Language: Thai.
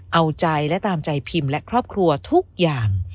เอาใจและตามใจพิมพ์และครอบครัวทุกอย่าง